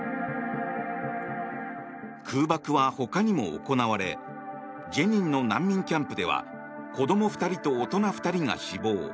空爆は他にも行われジェニンの難民キャンプでは子供２人と大人２人が死亡。